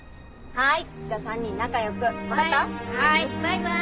はい。